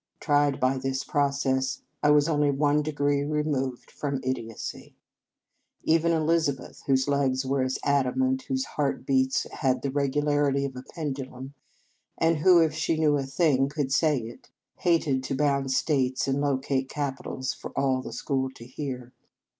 Tried by this process, I was only one degree removed from idiocy. Even Eliza beth, whose legs were as adamant, whose heart beats had the regularity of a pendulum, and who, if she knew a thing, could say it, hated to bound states and locate capitals for all the school to hear.